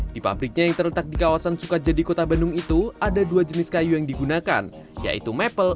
di pabriknya yang terletak di kawasan sukajadi kota bandung itu ada dua jenis kayu yang digunakan yaitu maple